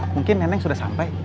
mungkin nenek sudah sampai